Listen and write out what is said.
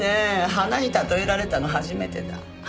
花に例えられたの初めてだ。